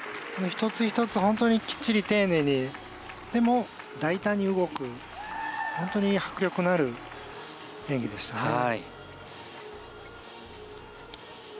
一つ一つ本当にきっちり丁寧にでも、大胆に動く本当に迫力のある演技でしたね。